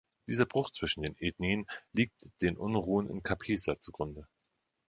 Dieser Bruch zwischen den Ethnien liegt den Unruhen in Kapisa zugrunde.